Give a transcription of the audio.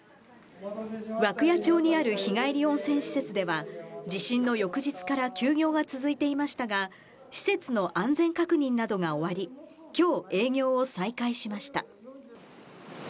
涌谷町にある日帰り温泉施設では、地震の翌日から休業が続いていましたが、施設の安全確認などが終わり、きょう営業を再開しました。